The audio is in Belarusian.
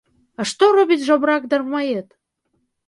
А што робіць жабрак-дармаед?